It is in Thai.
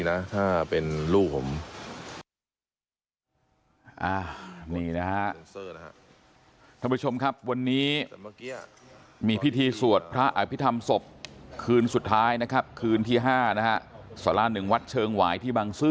มาลายดูและเมื่อกี้ไฟดับตรงไหน